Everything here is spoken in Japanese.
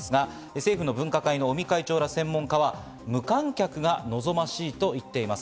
政府の分科会の尾身会長ら専門家は、無観客が望ましいと言っています。